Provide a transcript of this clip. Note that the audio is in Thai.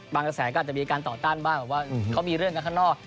บางแสนก็อาจจะมีการต่อตั้นบ้างเขามีเรื่องกันข้างนอก